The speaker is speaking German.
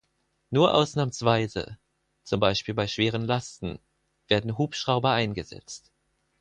Nur ausnahmsweise (zum Beispiel bei schweren Lasten) werden Hubschrauber eingesetzt.